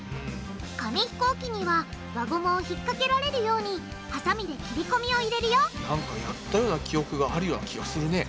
紙ひこうきには輪ゴムを引っ掛けられるようにハサミで切り込みを入れるよなんかやったような記憶があるような気がするね。